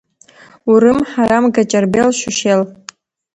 Урым, ҳарам, Гаҷарбел, Шьушьел.